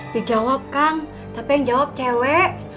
dijawab kang tapi yang jawab cewek